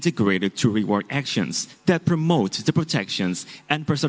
telah dilakukan pada waktu yang lalu